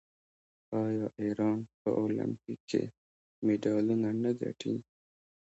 آیا ایران په المپیک کې مډالونه نه ګټي؟